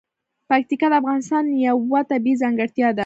پکتیکا د افغانستان یوه طبیعي ځانګړتیا ده.